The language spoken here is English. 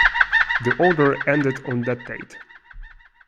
The order ended on that date.